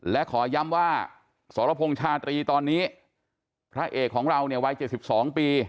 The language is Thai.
และขอย้ำว่าสรพงษ์ชาตรีตอนนี้พระเอกของเราเนี่ยวัย๗๒ปี